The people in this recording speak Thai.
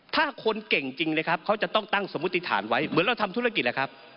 ถ้าคนเก่งจริงเลยครับเขาจะต้องตั้งสมมุติฐานไว้เหมือนเราทำธุรกิจแหละครับ